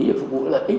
để phục vụ lợi ích